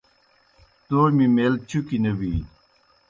تومیْ میل چُکیْ نہ بِینیْ